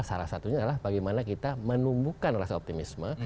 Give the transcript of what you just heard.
salah satunya adalah bagaimana kita menumbuhkan rasa optimisme